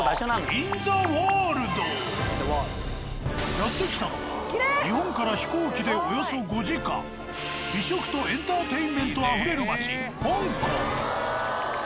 やって来たのは日本から美食とエンターテインメントあふれる街香港。